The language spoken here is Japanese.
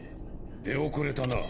出遅れたな。